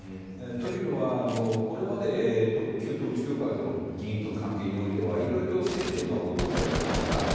というのは、これまで旧統一教会と議員との関係においては色々接点が報道されてきました。